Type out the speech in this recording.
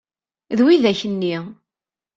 D widak-nni.